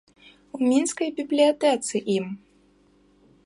У мінскай бібліятэцы ім.